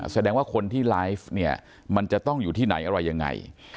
แสดงว่าคนที่ไลฟ์เนี่ยมันจะต้องอยู่ที่ไหนอะไรยังไง